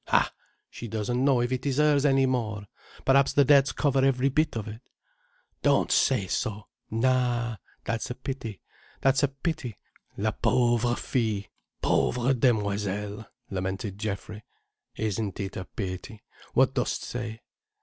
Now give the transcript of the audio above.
"Ha, she doesn't know if it hers any more! Perhaps the debts cover every bit of it." "Don't say so! Na, that's a pity, that's a pity! La pauvre fille—pauvre demoiselle!" lamented Geoffrey. "Isn't it a pity! What dost say?"